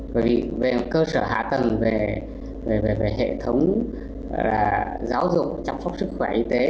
bởi vì về cơ sở hạ tầng về hệ thống giáo dục chăm sóc sức khỏe y tế